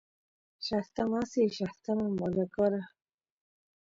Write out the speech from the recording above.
llaqtamasiy llaqtaman voliyakun